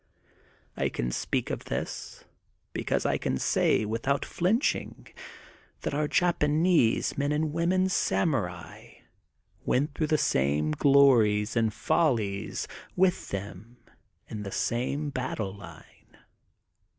I can speak of this because I can say without flinching that our Japanese men and women Samurai went through the same glorias and follies, with them in the same battle line.